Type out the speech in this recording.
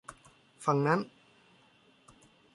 ฝั่งนั้น